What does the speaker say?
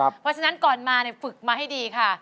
เพราะฉะนั้นก่อนมาฝึกมาให้ดีค่ะ